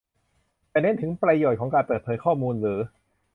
แต่เน้นถึงประโยชน์ของการเปิดเผยข้อมูลหรือ